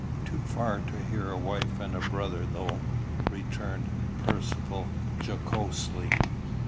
"Too far to hear a wife and a brother, though," returned Percivale jocosely.